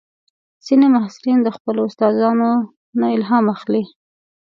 ځینې محصلین د خپلو استادانو نه الهام اخلي.